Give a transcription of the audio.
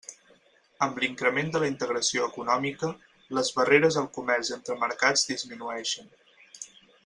Amb l'increment de la integració econòmica, les barreres al comerç entre mercats disminueixen.